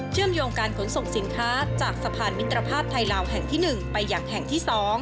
โยงการขนส่งสินค้าจากสะพานมิตรภาพไทยลาวแห่งที่๑ไปอย่างแห่งที่๒